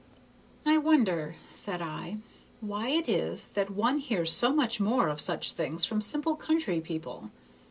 "I wonder," said I, "why it is that one hears so much more of such things from simple country people.